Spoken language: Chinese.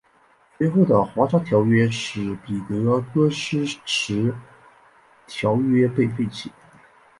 随后的华沙条约使彼得戈施迟条约被废弃。